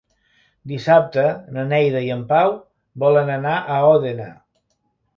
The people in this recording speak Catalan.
Dissabte na Neida i en Pau volen anar a Òdena.